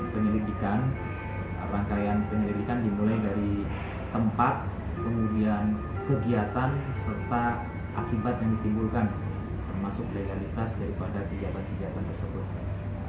penyelidikan rangkaian penyelidikan dimulai dari tempat kemudian kegiatan serta akibat yang ditimbulkan termasuk legalitas daripada kegiatan kegiatan tersebut